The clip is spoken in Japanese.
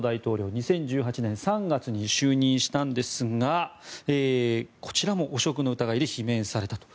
２０１８年３月に就任したんですがこちらも汚職の疑いで罷免されたと。